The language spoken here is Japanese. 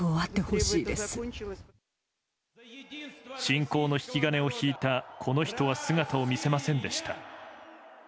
侵攻の引き金を引いたこの人は、姿を見せませんでした。